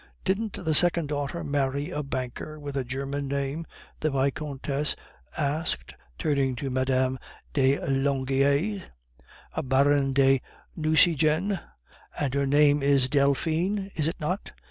"Didn't the second daughter marry a banker with a German name?" the Vicomtesse asked, turning to Mme. de Langeais, "a Baron de Nucingen? And her name is Delphine, is it not?